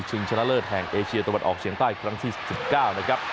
ชนะเลิศแห่งเอเชียตะวันออกเฉียงใต้ครั้งที่๑๙นะครับ